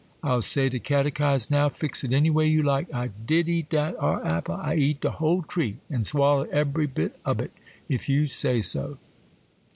I'll say de Catechize now,—fix it any way you like. I did eat dat ar' apple,—I eat de whole tree, an' swallowed ebery bit ob it, if you say so.